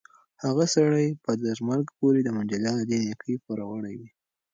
هغه سړی به تر مرګ پورې د منډېلا د دې نېکۍ پوروړی وي.